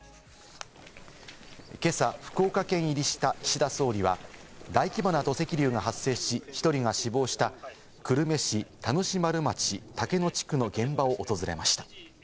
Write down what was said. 今朝、福岡県入りした岸田総理は大規模な土石流が発生し、１人が死亡した久留米市、田主丸町、竹野地区の現場を訪れました。